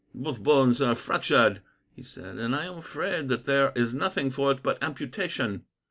"Both bones are fractured," he said, "and I am afraid that there is nothing for it but amputation."